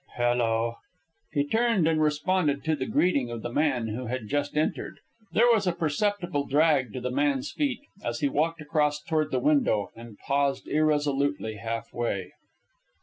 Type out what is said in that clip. "Hello." He turned and responded to the greeting of the man who had just entered. There was a perceptible drag to the man's feet as he walked across toward the window and paused irresolutely halfway.